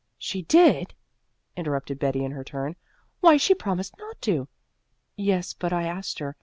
"She did!" interrupted Betty in her turn. "Why, she promised not to." "Yes, but I asked her.